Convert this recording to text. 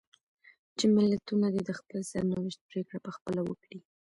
چې ملتونه دې د خپل سرنوشت پرېکړه په خپله وکړي.